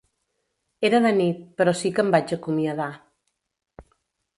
Era de nit, però sí que em vaig acomiadar.